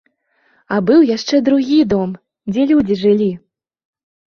А быў яшчэ другі дом, дзе людзі жылі.